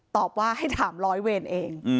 ตอบว่าให้ถามร้อยเวรเอง